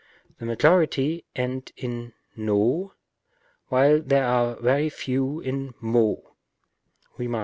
The majority end in vw, while there are very few in μω.